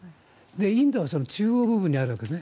インドは中央部分にあるわけです